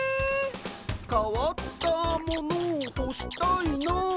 「かわったものをほしたいな」